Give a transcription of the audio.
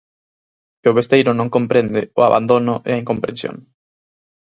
E o besteiro non comprende o abandono e a incomprensión.